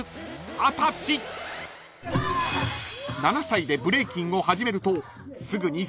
［７歳でブレイキンを始めるとすぐに］